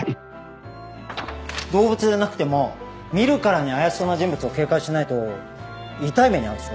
動物でなくても見るからに怪しそうな人物を警戒しないと痛い目に遭うでしょ。